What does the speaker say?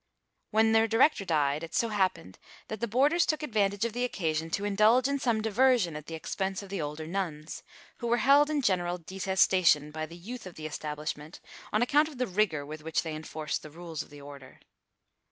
When their director died, it so happened that the boarders took advantage of the occasion to indulge in some diversion at the expense of the older nuns, who were held in general detestation by the youth of the establishment on account of the rigour with which they enforced the rules of the order.